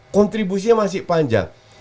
kontribusinya masih panjang